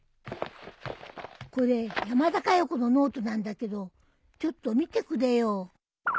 これ山田かよ子のノートなんだけどちょっと見てくれよ。